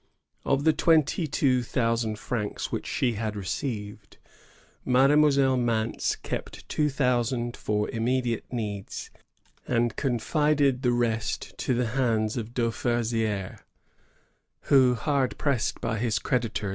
Of the twenty two thousand francs which she had received, Mademoiselle Mance kept two thousand for immediate needs, and confided the rest to the hands of Dauversidre, who, hard pressed by his creditors, 1 See "The Jesuits in North America."